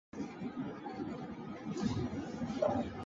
辽朝只能全力固守幽蓟。